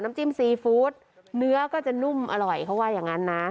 จิ้มซีฟู้ดเนื้อก็จะนุ่มอร่อยเขาว่าอย่างนั้นนะ